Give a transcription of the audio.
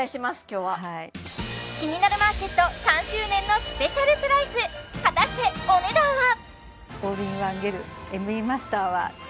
今日は「キニナルマーケット」３周年のスペシャルプライス果たしてお値段は？